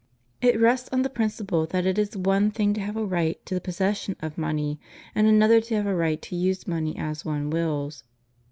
It rests on the principle that it is one thing to have a right to the possession of money, and another to have a right to use money as one wills.